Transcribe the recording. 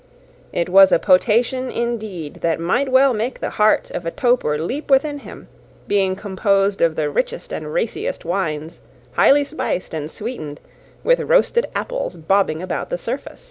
It was a potation, indeed, that might well make the heart of a toper leap within him; being composed of the richest and raciest wines, highly spiced and sweetened, with roasted apples bobbing about the surface.